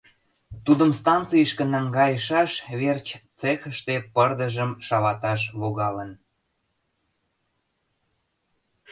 Тудым станцийышке наҥгайышаш верч цехыште пырдыжым шалаташ логалын.